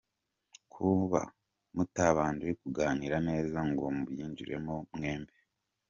Kuba mutabanje kuganira neza ngo mubyinjire mo mwembi;.